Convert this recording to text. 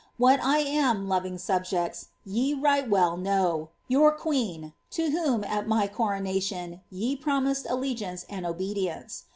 What I am, loving subjects, yc right well know — yuur queen, to whom, at my coronation, ye promised allegiance and obedience